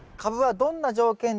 どんな条件で？